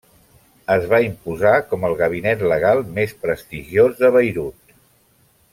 Es va imposar com el gabinet legal més prestigiós de Beirut.